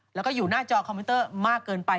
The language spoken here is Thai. แล้วก็อยู่หน้าจอคอมพิวเตอร์มากเกินไป